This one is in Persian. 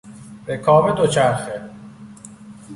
رکاب دوچرخه